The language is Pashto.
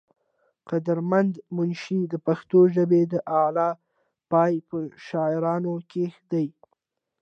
قدر مند منشي د پښتو ژبې د اعلى پائي پۀ شاعرانو کښې دے ۔